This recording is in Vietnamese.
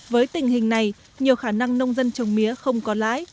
với tình hình này nhiều khả năng nông dân trồng mía không có lãi